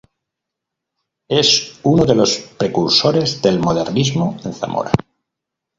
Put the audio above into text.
Es uno de los precursores del modernismo en Zamora.